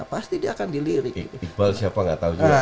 iqbal siapa nggak tau juga